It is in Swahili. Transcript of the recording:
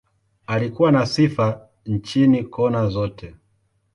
Alikuwa na sifa nchini, kona zote.